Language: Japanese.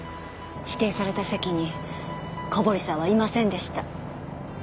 指定された席に小堀さんはいませんでした。